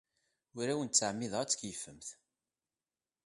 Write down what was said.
Ur awent-ttɛemmideɣ ad tkeyyfemt.